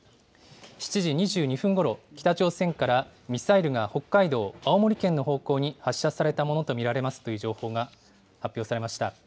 ７時２２分ごろ、北朝鮮からミサイルが北海道、青森県の方向に発射されたものと見られますという情報が発表されました。